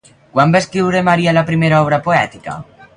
Quan va escriure Maria la primera obra poètica?